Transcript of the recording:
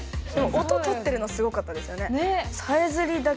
音録ってるのすごかったですよね。ね。